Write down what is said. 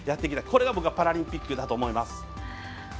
これが僕はパラリンピックだと思います。